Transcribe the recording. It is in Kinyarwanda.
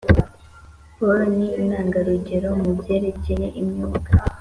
polo n intangarugero mu byerekeye imyuga